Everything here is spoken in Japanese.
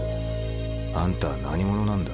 あんたは何者なんだ？